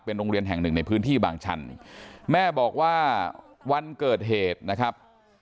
โรงเรียนแห่งหนึ่งในพื้นที่บางชันแม่บอกว่าวันเกิดเหตุนะครับ